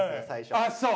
あっそう。